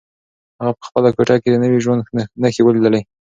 هغه په خپله کوټه کې د نوي ژوند نښې ولیدلې.